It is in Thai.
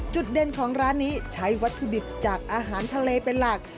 จุดเด่นของร้านนี้ใช้วัตถุดิบจากอาหารทะเลเป็นหลัก